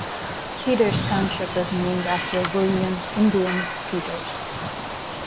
Peters Township was named after William "Indian" Peters.